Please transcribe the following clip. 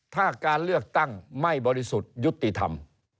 ถ้าการเลือกตั้งไม่บริสุทธิ์ยุติธรรม